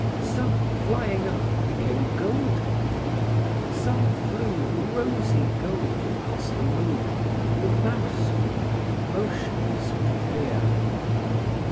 Some, flying up, became golden. Some flew rosy gold across the moon, the mouse moon motionless with fear.